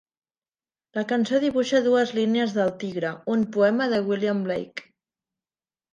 La cançó dibuixa dues línies d'El Tigre, un poema de William Blake.